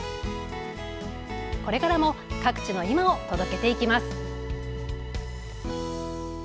これからも、各地の今を届けていきます。